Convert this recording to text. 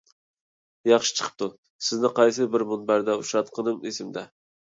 ياخشى چىقىپتۇ، سىزنى قايسى بىر مۇنبەردە ئۇچراتقىنىم ئېسىمدە.